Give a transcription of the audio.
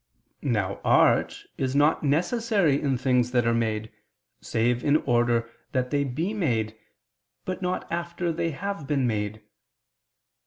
Now art is not necessary in things that are made, save in order that they be made, but not after they have been made.